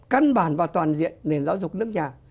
căn bản và toàn diện nền giáo dục nước nhà